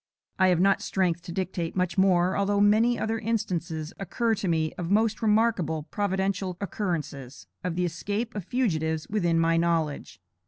I have not strength to dictate much more, although many other instances occur to me of most remarkable providential occurrences, of the escape of fugitives within my knowledge.